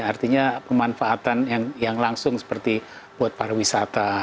artinya pemanfaatan yang langsung seperti buat para wisata